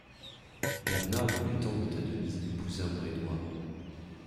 Bernard voulait tant que ta Denise épousât mon Édouard.